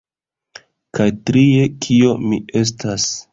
Kaj trie kio mi estas